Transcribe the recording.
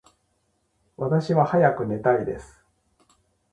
私は早く寝たいです。